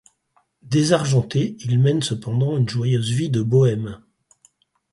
Désargenté, il mène cependant une joyeuse vie de bohème.